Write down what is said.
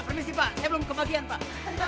permisi pak saya belum kebagian pak